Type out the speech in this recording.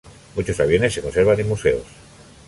Muchos aviones se conservan en museos.